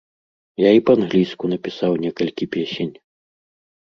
Я і па-англійску напісаў некалькі песень.